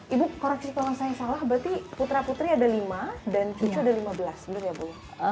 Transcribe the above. ibu koreksi kalau saya salah berarti putra putri ada lima dan cucu ada lima belas belum ya bu